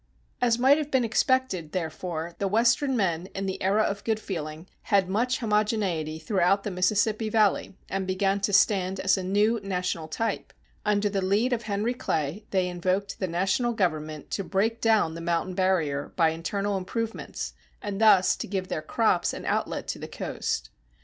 As might have been expected, therefore, the Western men, in the "era of good feeling," had much homogeneity throughout the Mississippi Valley, and began to stand as a new national type. Under the lead of Henry Clay they invoked the national government to break down the mountain barrier by internal improvements, and thus to give their crops an outlet to the coast.